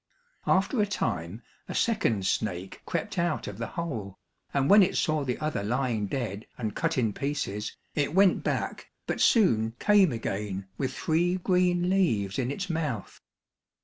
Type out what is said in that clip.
After a time a second snake crept out of the hole, and when it saw the other lying dead and cut in pieces, it went back, but soon came again with three green leaves in its mouth.